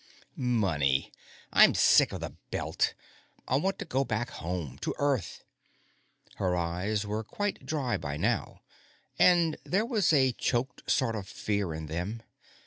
"Money. I'm sick of the Belt. I want to go back home, to Earth." Her eyes were quite dry by now, and there was a choked sort of fear in them.